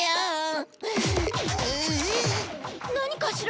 何かしら？